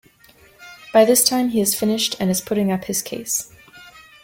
By this time he has finished and is putting up his case.